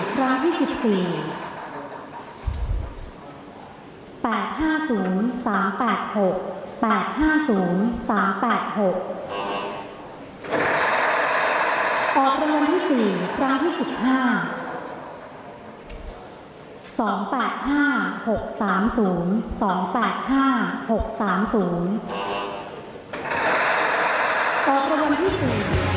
อพที่๔ครั้งที่๑๓